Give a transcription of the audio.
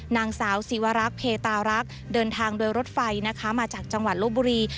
นางสาวศิวรักษ์เพตารักษ์เดินทางโดยรถไฟนะคะมาจากจังหวัดลบบุรี